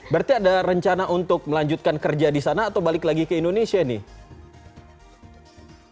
berarti ada rencana untuk melanjutkan kerja di sana atau balik lagi ke indonesia nih